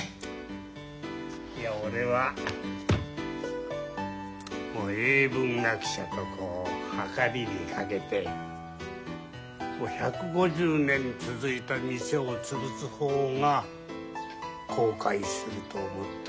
俺は英文学者とはかりにかけて１５０年続いた店を潰す方が後悔すると思ったからね。